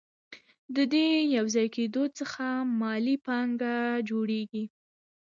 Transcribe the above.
د دې یوځای کېدو څخه مالي پانګه جوړېږي